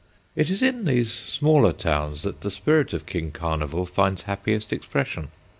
It is in these smaller towns that the spirit of King Carnival finds happiest expression.